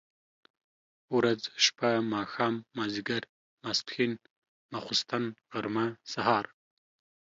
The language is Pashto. ورځ، شپه ،ماښام، ماځيګر، ماسپښن ، ماخوستن ، غرمه ،سهار،